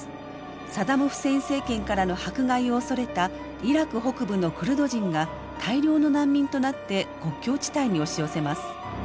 サダム・フセイン政権からの迫害を恐れたイラク北部のクルド人が大量の難民となって国境地帯に押し寄せます。